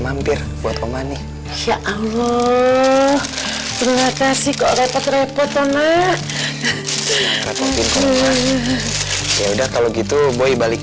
mampir buat oma nih ya allah tuh ngata sih kok repot repot oma ya udah kalau gitu boy balik